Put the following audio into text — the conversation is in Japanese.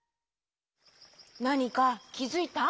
なにかきづいた？